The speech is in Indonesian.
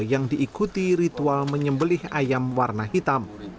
yang diikuti ritual menyembelih ayam warna hitam